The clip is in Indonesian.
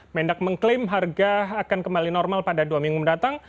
mendak mengklaim harga akan kembali normal pada dua minggu mendatang